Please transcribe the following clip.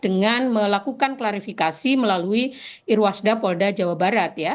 dan juga melakukan klarifikasi melalui irwasda polda jawa barat ya